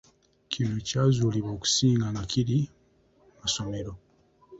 Kino kyazuulibwa okusinga nga kiri mu masomero